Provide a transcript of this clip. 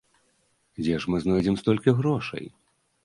Дзе ж мы знойдзем столькі грошай?